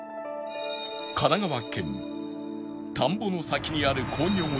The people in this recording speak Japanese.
神奈川県田んぼの先にある工業地帯に